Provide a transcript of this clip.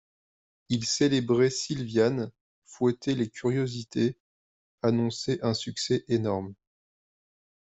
Il célébrait Silviane, fouettait les curiosités, annonçait un succès énorme.